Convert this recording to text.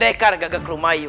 judul yang akan saya